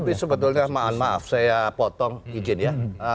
tapi sebetulnya maaf maaf saya potong izin ya